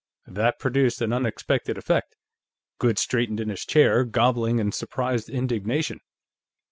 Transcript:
That produced an unexpected effect. Goode straightened in his chair, gobbling in surprised indignation.